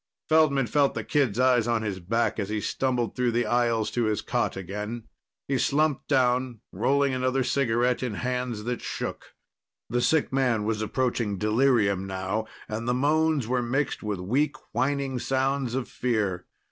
Feldman felt the kid's eyes on his back as he stumbled through the aisles to his cot again. He slumped down, rolling another cigarette in hands that shook. The sick man was approaching delirium now, and the moans were mixed with weak whining sounds of fear.